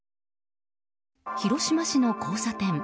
広島市の交差点。